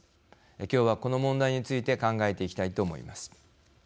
今日はこの問題について考えていきたいと思います。